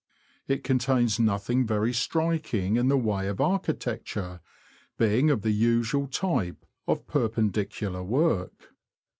It contains nothing very striking in the way of archi tecture, being of the usual type of Perpendicular work.